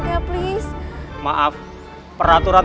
dua menit gak datang